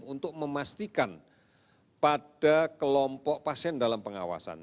untuk memastikan pada kelompok pasien dalam pengawasan